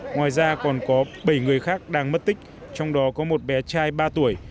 ngoài ra còn có bảy người khác đang mất tích trong đó có một bé trai ba tuổi